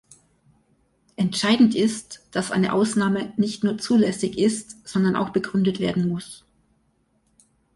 Entscheidend ist, dass eine Ausnahme nicht nur zulässig ist, sondern auch begründet werden muss.